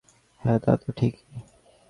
হ্যাঁ, তা তো ঠিকই।